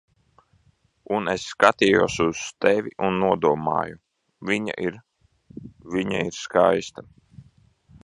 Un es skatījos uz tevi un nodomāju: "Viņa ir... Viņa ir skaista."